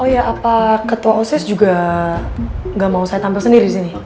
oh ya apa ketua osis juga nggak mau saya tampil sendiri di sini